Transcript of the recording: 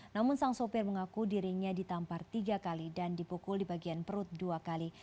namun sang sopir mengaku dirinya ditampar tiga kali dan dipukul di bagian perut dua kali